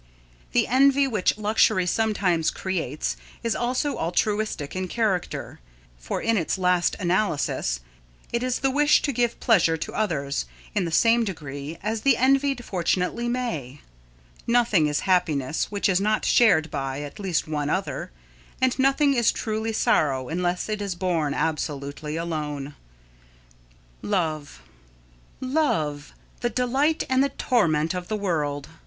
The envy which luxury sometimes creates is also altruistic in character, for in its last analysis, it is the wish to give pleasure to others, in the same degree, as the envied fortunately may. Nothing is happiness which is not shared by at least one other, and nothing is truly sorrow unless it is borne absolutely alone. [Sidenote: Love] Love! The delight and the torment of the world!